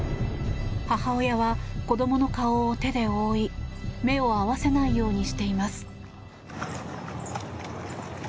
母親は子供の顔を手で覆い目を合わせないようにしています。